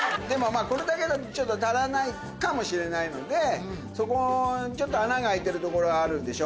これだけだと足らないかもしれないのでそこにちょっと穴が開いてる所があるでしょ。